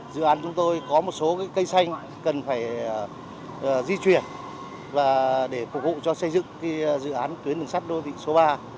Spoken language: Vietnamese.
dự án chúng tôi có một số cây xanh cần phải di chuyển và để phục vụ cho xây dựng dự án tuyến đường sắt đô thị số ba